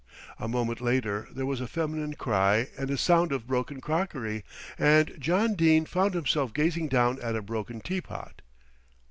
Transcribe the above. A moment later there was a feminine cry and a sound of broken crockery, and John Dene found himself gazing down at a broken teapot.